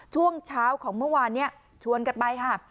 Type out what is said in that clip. ช่วงเช้าของเมื่อวานนี้ชวนกันไปค่ะ